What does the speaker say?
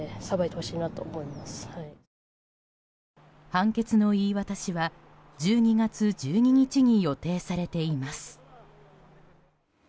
判決の言い渡しは１２月１２日に予定されています。